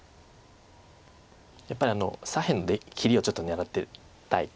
やっぱり左辺の切りをちょっと狙ってたいから。